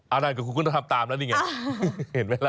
นั่นก็คุณก็ต้องทำตามแล้วนี่ไงเห็นไหมล่ะ